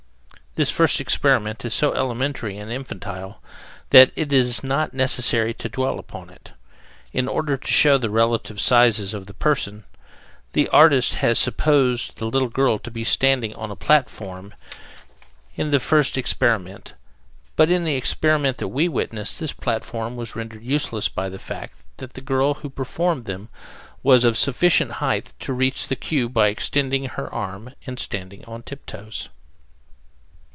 This first experiment is so elementary and infantile that it is not necessary to dwell upon it. In order to show the relative sizes of the persons, the artist has supposed the little girl to be standing on a platform in the first experiment, but in the experiment that we witnessed this platform was rendered useless by the fact that the girl who performed them was of sufficient height to reach the cue by extending her arms and standing on tiptoes.